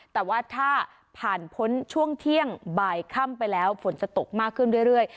แต่ว่าถ้าผ่านพ้นช่วงเที่ยงบ่ายค่ำไปแล้วฝนจะตกมากขึ้นเรื่อย